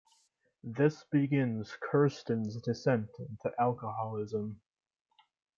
This begins Kirsten's descent into alcoholism.